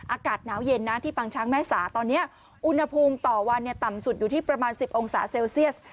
อากาศหนาวเย็นนะที่ปางช้างแม่สาตอนนี้อุณหภูมิต่อวันต่ำสุดอยู่ที่ประมาณ๑๐องศาเซลเซียส